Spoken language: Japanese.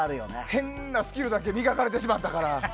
変なスキルだけ磨かれてしまったから。